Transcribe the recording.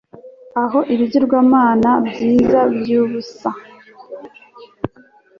aho ibigirwamana byiza byubusa